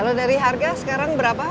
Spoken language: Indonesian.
kalau dari harga sekarang berapa